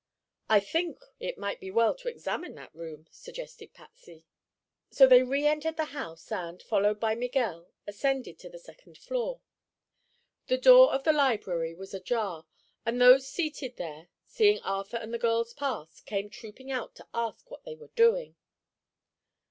"I think it might be well to examine that room," suggested Patsy. So they reentered the house and, followed by Miguel, ascended to the second floor. The door of the library was ajar and those seated there, seeing Arthur and the girls pass, came trooping out to ask what they were doing.